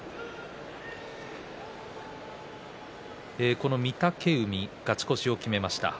この御嶽海勝ち越しを決めました。